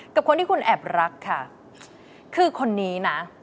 กับคนที่คุณแอบรักค่ะคือคนนี้นะ